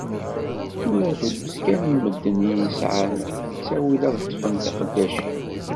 Tura drus kan n medden i yesεan ttawil ad ṭṭfen tiqeddacin.